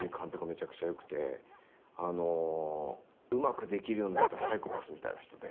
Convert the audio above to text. めちゃくちゃ良くてあのうまくできるようになったサイコパスみたいな人でって。